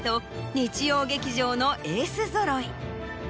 日曜劇場のエースぞろい。